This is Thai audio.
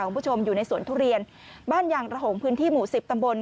คุณผู้ชมอยู่ในสวนทุเรียนบ้านยางระหงพื้นที่หมู่สิบตำบล